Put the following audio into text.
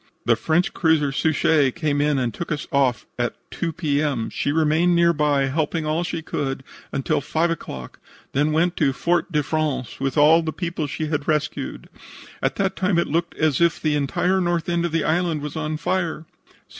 "The French cruiser Suchet came in and took us off at 2 P. M. She remained nearby, helping all she could, until 5 o'clock, then went to Fort de France with all the people she had rescued. At that time it looked as if the entire north end of the island was on fire."